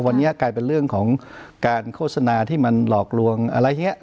วันนี้กลายเป็นเรื่องของการโฆษณาที่มันหลอกลวงอะไรอย่างนี้